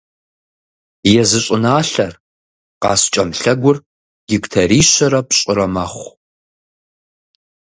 Езы щӏыналъэр, «Къаскӏэм лъэгур», гектарищэрэ пщӏырэ мэхъу.